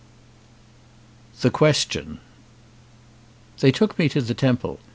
LIV THE QUESTION THEY took me to the temple.